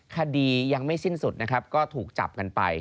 คดียังไม่สิ้นสุดนะครับก็ถูกจับกันไป